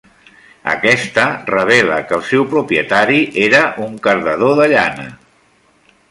Aquesta revela que el seu propietari era un cardador de llana.